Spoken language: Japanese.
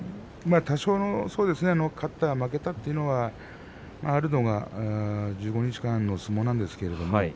勝った負けたと多少のことはあるのは１５日間の相撲なんですけどね。